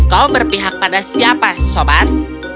kau berpihak pada siapa sobat